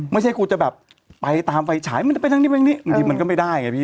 ไม่ใช่กูจะแบบไปตามไฟฉายมันจะไปทางนี้ไปทางนี้บางทีมันก็ไม่ได้ไงพี่